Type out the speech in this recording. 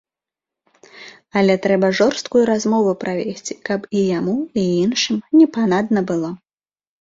Але трэба жорсткую размову правесці, каб і яму, і іншым не панадна было.